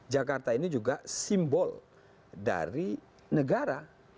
jakarta ini juga simbol dari negara